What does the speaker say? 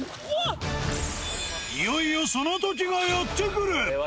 いよいよそのときがやって来る。